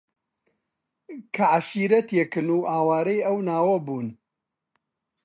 کە عەشیرەتێکن و ئاوارەی ئەو ناوە بوون